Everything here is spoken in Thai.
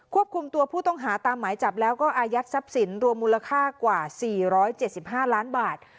ควบคุมตัวผู้ต้องหาตามหมายจับแล้วก็อายัดทรัพย์สินรวมมูลค่ากว่า๔๗๕ล้านบาท